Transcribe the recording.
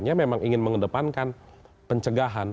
hanya memang ingin mengedepankan pencegahan